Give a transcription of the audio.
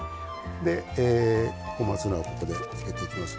小松菜を入れていきます。